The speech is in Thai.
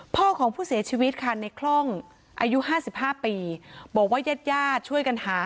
พ่อของผู้เสียชีวิตค่ะในคล่องอายุ๕๕ปีบอกว่าญาติญาติช่วยกันหา